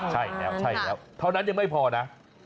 ใช่แล้วเท่านั้นยังไม่พอนะ